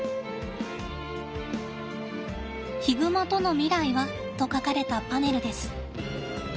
「ヒグマとの未来は？」と書かれたパネルです。